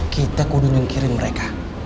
kita kudu nyungkirin mereka